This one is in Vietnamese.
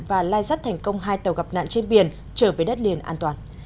và lai rắt thành công hai tàu gặp nạn trên biển trở về đất liền an toàn